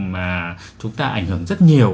mà chúng ta ảnh hưởng rất nhiều